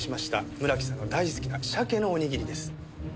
村木さんの大好きな鮭のおにぎりです。